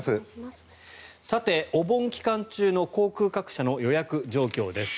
お盆期間中の航空各社の予約状況です。